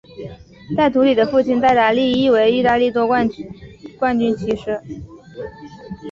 戴图理的父亲戴达利亦为意大利多届冠军骑师。